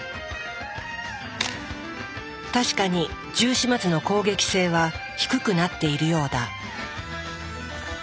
確かにジュウシマツの攻撃性は低くなっているようだ。